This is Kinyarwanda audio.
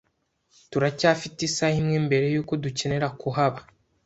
Turacyafite isaha imwe mbere yuko dukenera kuhaba.